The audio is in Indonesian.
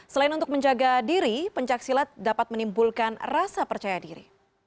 selain untuk menjaga diri pencaksilat dapat menimbulkan rasa percaya diri